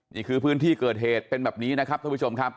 นี่คือพื้นที่เกิดเหตุเป็นแบบนี้นะครับท่านผู้ชมครับ